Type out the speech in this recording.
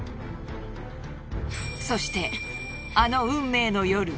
そしてあの運命の夜。